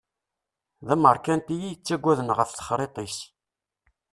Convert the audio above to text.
D ameṛkanti i yettagaden ɣef texṛiḍt-is.